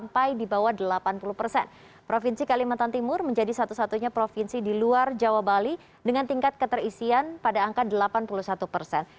provinsi kalimantan timur menjadi satu satunya provinsi di luar jawa bali dengan tingkat keterisian pada angka delapan puluh satu persen